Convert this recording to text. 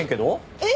えっ？